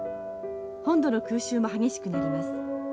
本土の空襲も激しくなります。